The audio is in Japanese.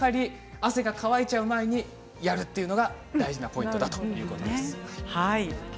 汗が乾く前にやるというのが大事なポイントだということでした。